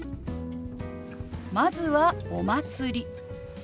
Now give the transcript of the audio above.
まずは「お祭り」。